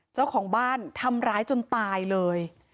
เจ้าของบ้านทำร้ายจนตายเลย